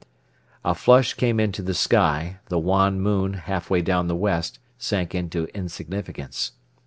A flush came into the sky, the wan moon, half way down the west, sank into insignificance.